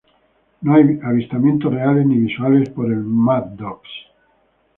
No hay avistamientos reales ni visuales por el "Maddox".